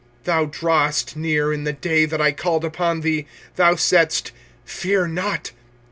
25:003:057 Thou drewest near in the day that I called upon thee: thou saidst, Fear not.